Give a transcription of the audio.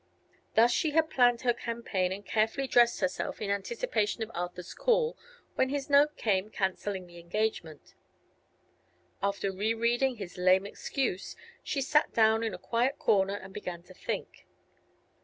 Thus she had planned her campaign and carefully dressed herself in anticipation of Arthur's call when his note came canceling the engagement. After rereading his lame excuse she sat down in a quiet corner and began to think.